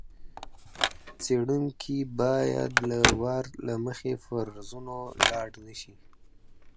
څېړونکی باید له وار له مخکې فرضونو لاړ نه شي.